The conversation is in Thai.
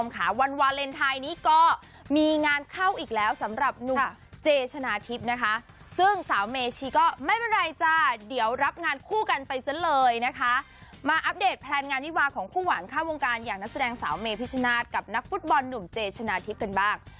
ข้ามวงการอย่างนักแสดงสาวเมพิชนาธิ์กับนักฟุตบอลหนุ่มเจชนาทิพย์กันบ้าง